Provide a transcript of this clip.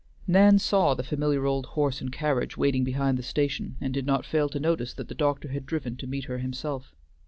Nan saw the familiar old horse and carriage waiting behind the station, and did not fail to notice that the doctor had driven to meet her himself.